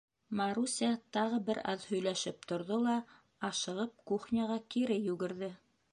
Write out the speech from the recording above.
Маруся тағы бер аҙ һөйләшеп торҙо ла ашығып кухняға кире йүгерҙе.